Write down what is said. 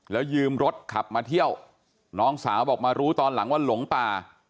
แล้วยืมรถขับมาเที่ยวน้องสาวบอกมารู้ตอนหลังว่าหลงป่า